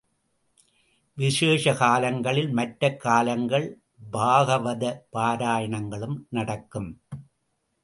விசேஷ காலங்களில் மற்ற காலங்கள் பாகவத பாராயணங்களும் நடக்கும்.